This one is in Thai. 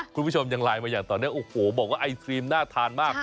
คุณผู้ชมยังไลน์มาอย่างตอนนี้โอ้โหบอกว่าไอศครีมน่าทานมาก